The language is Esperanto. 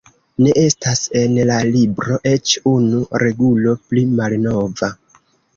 "Ne estas en la libro eĉ unu regulo pli malnova!"